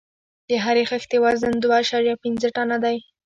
د هرې خښتې وزن دوه اعشاریه پنځه ټنه دی.